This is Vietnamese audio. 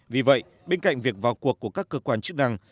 vì vậy bên cạnh việc vào cuộc của các cơ quan chức năng